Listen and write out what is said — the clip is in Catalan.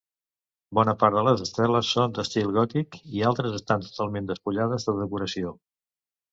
Bona part de les esteles són d'estil gòtic i altres estan totalment despullades de decoració.